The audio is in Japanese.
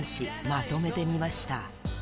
まとめてみました。